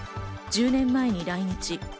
１０年前に来日。